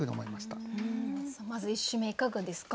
まず１首目いかがですか？